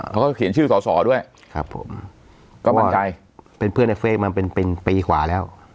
เขาก็เขียนชื่อสอสอด้วยครับผมก็มั่นใจเป็นเพื่อนในเฟคมาเป็นเป็นปีกว่าแล้ว